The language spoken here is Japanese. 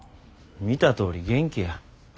見たとおり元気や。